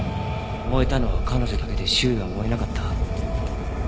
燃えたのは彼女だけで周囲は燃えなかった。